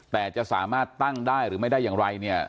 แต่จะสามารถตั้งได้หรือไม่ได้อย่างไรเนี่ย